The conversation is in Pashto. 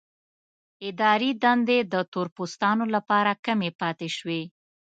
اداري دندې د تور پوستانو لپاره کمې پاتې شوې.